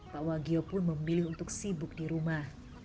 pak wagio pun memilih untuk sibuk di rumah